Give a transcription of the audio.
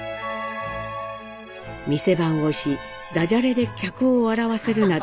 店番をしダジャレで客を笑わせるなど